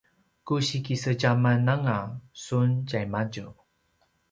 ku si kisedjaman anga sun tjaimadju